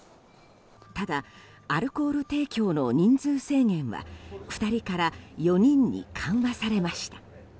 ただ、アルコール提供の人数制限は２人から４人に緩和されました。